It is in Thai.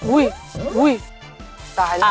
อุ๊ยตายแล้ว